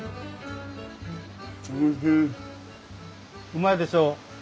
うまいでしょ？